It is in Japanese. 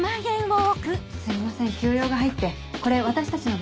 すいません急用が入ってこれ私たちの分です。